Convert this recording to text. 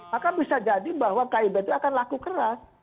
maka bisa jadi bahwa kib itu akan laku keras